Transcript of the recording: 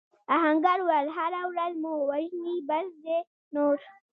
آهنګر وویل هره ورځ مو وژني بس دی نور.